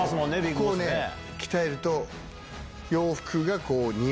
ここを鍛えると。